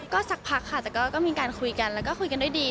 ก็สักพักค่ะแต่ก็มีการคุยกันแล้วก็คุยกันด้วยดี